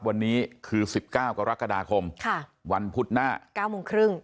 วันนี้คือ๑๙กรกฎาคมวันพุธหน้า๙โมงครึ่ง